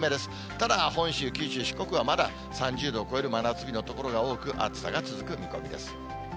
ただ、本州、九州、四国は、まだ３０度を超える真夏日の所が多く、暑さが続く見込みです。